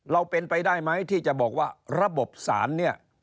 เราเป็นไปได้ไหมที่จะบอกว่าระบบสารเนี่ย